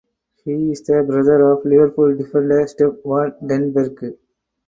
He is the brother of Liverpool defender Sepp van den Berg.